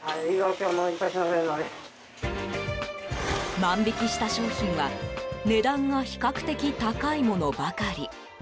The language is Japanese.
万引きした商品は値段が比較的高いものばかり。